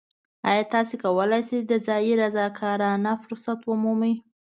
ایا تاسو کولی شئ د ځایی رضاکارانه فرصت ومومئ؟